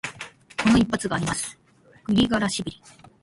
この一発があります、グリガラシビリ。